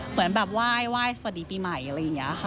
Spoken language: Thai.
เหมือนแบบว่ายสวัสดีปีใหม่อะไรนี้อย่างรึงี้ค่ะ